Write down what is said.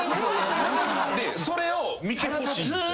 でそれを見てほしいんすよ。